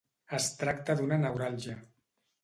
Es tracta d'una neuràlgia.